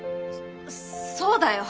そそうだよ。